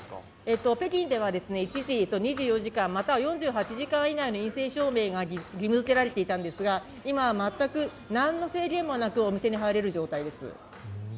北京では一時、２４時間または４８時間以内の陰性証明が義務付けられていたんですが、今は全く、何の制限もなくお店に入れる状態です。